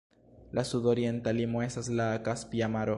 La sudorienta limo estas la Kaspia Maro.